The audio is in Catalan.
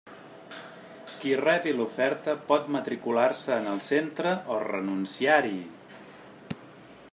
Qui rebi l'oferta pot matricular-se en el centre o renunciar-hi.